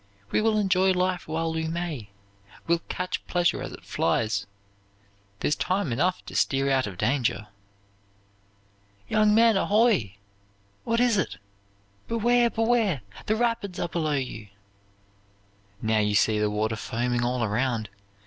We will enjoy life while we may, will catch pleasure as it flies. There's time enough to steer out of danger.' "'Young men, ahoy!' 'What is it?' 'Beware! Beware! The rapids are below you!' "Now you see the water foaming all around.